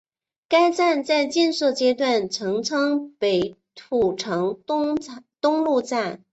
该站在建设阶段曾称北土城东路站。